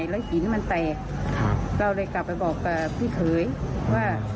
รดลิขินมันแตกครับครับเราเลยกลับไปบอกกับพี่เขยว่า